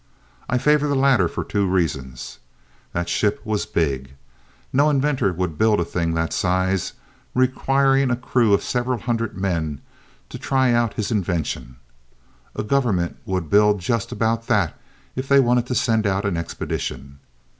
I favor the latter for two reasons: that ship was big. No inventor would build a thing that size, requiring a crew of several hundred men to try out his invention. A government would build just about that if they wanted to send out an expedition.